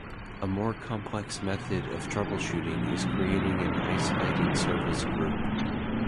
A more complex method of troubleshooting is creating an isolated service group.